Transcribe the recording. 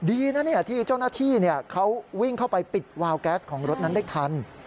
ดีนะที่เจ้าหน้าที่เขาวิ่งเข้าไปปิดวาวแก๊สของรถนั้นได้ทัน